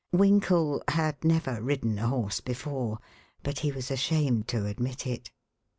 Winkle had never ridden a horse before, but he was ashamed to admit it.